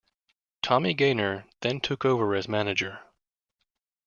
Tommy Gaynor then took over as manager.